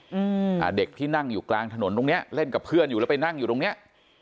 อืมอ่าเด็กที่นั่งอยู่กลางถนนตรงเนี้ยเล่นกับเพื่อนอยู่แล้วไปนั่งอยู่ตรงเนี้ย